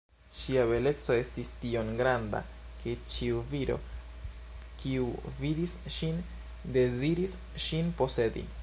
Ŝia beleco estis tiom granda, ke ĉiu viro, kiu vidis ŝin, deziris ŝin posedi.